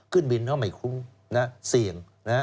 ขึ้นบินก็ไม่คุ้มเสี่ยง